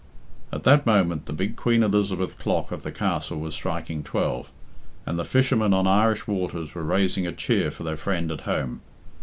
At that moment the big Queen Elizabeth clock of the Castle was striking twelve, and the fishermen on Irish waters were raising a cheer for their friend at home.